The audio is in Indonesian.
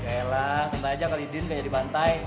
yaelah sebentar aja kali din gak jadi bantai